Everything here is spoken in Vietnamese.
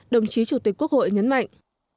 đồng chí chủ tịch quốc hội nhấn mạnh